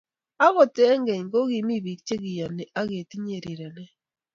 Ogot akeny komii biik che kiyonii ak he tinye riranee.